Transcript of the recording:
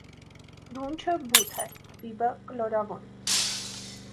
Դունչը բութ է, բիբը կլորավուն։